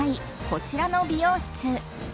こちらの美容室。